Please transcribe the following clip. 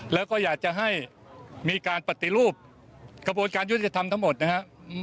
แล้วก็อยากจะให้มีการปฏิรูปกระบวนการยุติธรรมทั้งหมดนะฮะ